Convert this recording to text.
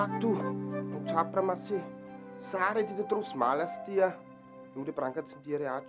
waktu capra masih sehari terus malas dia udah perangkat sendiri aja